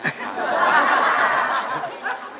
ปีหน้าหนูต้อง๖ขวบให้ได้นะลูก